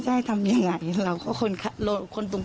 ใช่เข้าไม่รู้ประวัติ